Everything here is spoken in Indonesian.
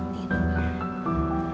kamu gak sama reina